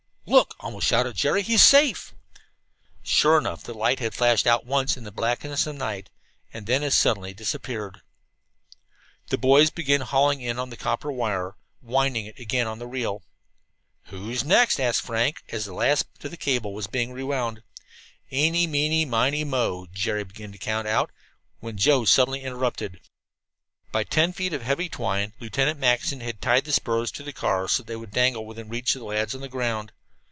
"Look!" almost shouted Jerry. "He's safe!" Sure enough, the light had flashed out once in the blackness of the night, and then as suddenly disappeared. The boys began hauling in on the copper wire, winding it again on the reel. "Who's next?" asked Frank, as the last of the cable was being re wound. "Eenie, meenie, minie, mo," Jerry began to count out, when Joe suddenly interrupted. By ten feet of heavy twine Lieutenant Mackinson had tied the spurs to the car so that they would dangle within reach of the lads on the ground.